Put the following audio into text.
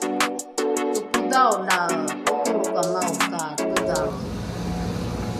topodhaolae odholrokamao ka todhalroe